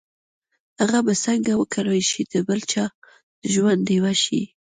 هغه به څنګه وکولای شي د بل چا د ژوند ډيوه شي.